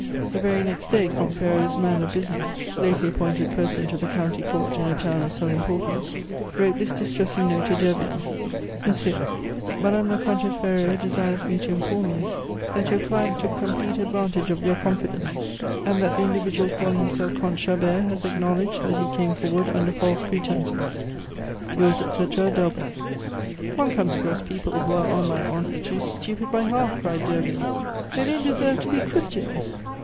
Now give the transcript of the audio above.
The very next day Comte Ferraud's man of business, lately appointed President of the County Court in a town of some importance, wrote this distressing note to Derville: "MONSIEUR, "Madame la Comtesse Ferraud desires me to inform you that your client took complete advantage of your confidence, and that the individual calling himself Comte Chabert has acknowledged that he came forward under false pretences. "Yours, etc., DELBECQ." "One comes across people who are, on my honor, too stupid by half," cried Derville. "They don't deserve to be Christians!